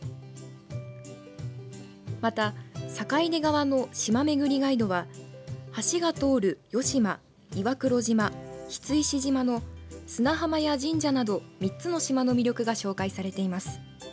また坂出側の島巡りガイドは橋が通る与島、岩黒島櫃石島の砂浜や神社など３つの島の魅力が紹介されています。